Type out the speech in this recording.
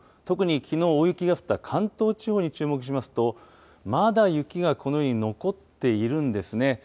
特にきのう、大雪が降った関東地方に注目しますと、まだ雪がこのように残っているんですね。